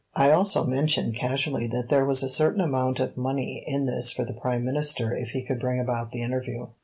I also mentioned casually that there was a certain amount of money in this for the Prime Minister if he could bring about the interview.